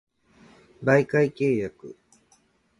媒介契約